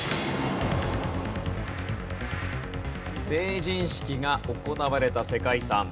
成人式が行われた世界遺産。